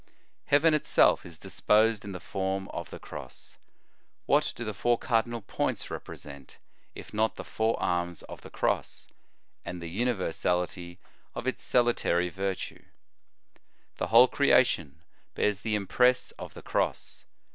Heaven itself is disposed in the form of the Cross. What do the four cardinal points represent, if not the four arms of the Cross, and the universality of its salutary virtue ? The whole creation bears the impress of the Cross.